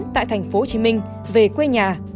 tại thành phố hồ chí minh về quê nhà